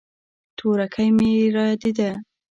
تورکى مې رايادېده.